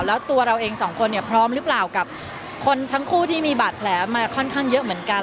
แล้วตัวเราเองสองคนเนี่ยพร้อมหรือเปล่ากับคนทั้งคู่ที่มีบาดแผลมาค่อนข้างเยอะเหมือนกัน